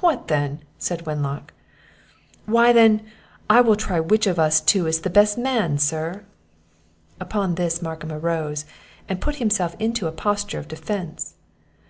"What then?" said Wenlock. "Why, then, I will try which of us two is the best man, sir!" Upon this Markham arose, and put himself into a posture of defence.